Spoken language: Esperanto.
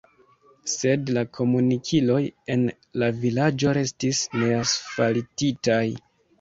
Sed la komunikiloj en la vilaĝo restis neasfaltitaj.